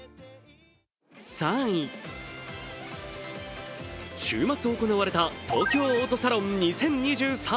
３位、週末行われた東京オートサロン２０２３。